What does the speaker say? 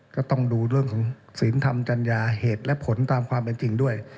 ก็ต้องดูเรื่องของศีลธรรมจัญญาเหตุและผลตามความเป็นจริงด้วย